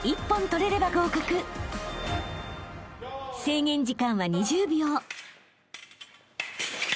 ［制限時間は２０秒］